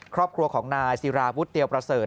ครอบครัวของนายศิราวุฒิเตียวประเสริฐ